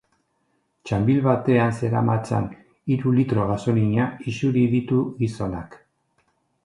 Txanbil batean zeramatzan hiru litro gasolina isuri ditu gizonak.